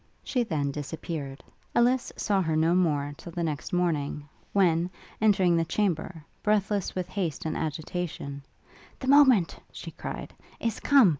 She then disappeared. Ellis saw her no more till the next morning, when, entering the chamber, breathless with haste and agitation, 'The moment,' she cried, 'is come!